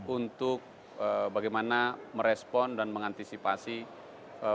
untuk bagaimana merespon dan mengantisipasi